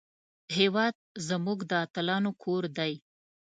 هېواد زموږ د اتلانو کور دی